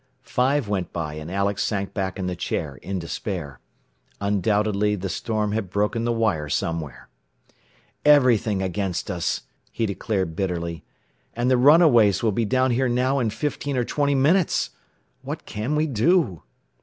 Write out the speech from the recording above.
Five went by, and Alex sank back in the chair in despair. Undoubtedly the storm had broken the wire somewhere. "Everything against us!" he declared bitterly. "And the runaways will be down here now in fifteen or twenty minutes. What can we do?"